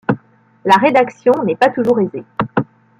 La rédaction n'est pas toujours aisée.